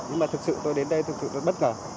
nhưng mà thực sự tôi đến đây thực sự bất ngờ